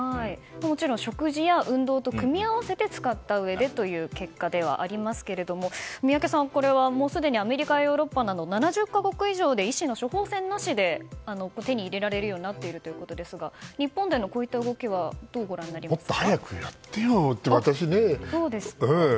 もちろん食事や運動と組み合わせて使ったうえでという結果ではありますが宮家さん、すでにアメリカやヨーロッパなど７０か国以上で医師の処方箋なしで手に入れられるようになっているということですが日本でのこういった動きはどうご覧になりますか？